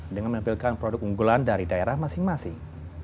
dengan menampilkan produk unggulan dari daerah masing masing